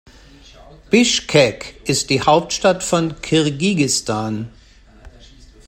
Bischkek ist die Hauptstadt von Kirgisistan.